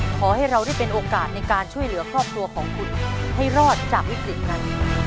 ขอให้เราได้เป็นโอกาสในการช่วยเหลือครอบครัวของคุณให้รอดจากวิกฤตนั้น